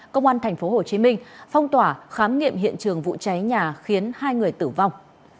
công an tp hcm phong tỏa khám nghiệm hiện trường vụ cháy nhà khiến hai người tử vong